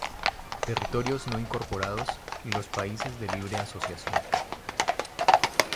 Territorios no incorporados y los países de libre asociación.